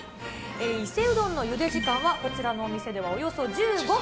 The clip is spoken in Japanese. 伊勢うどんのゆで時間は、こちらのお店ではおよそ１５分。